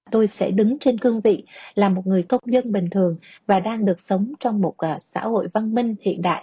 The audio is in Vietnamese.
tôi sẽ đứng trên cương vị là một người công dân bình thường và đang được sống trong một xã hội văn minh hiện đại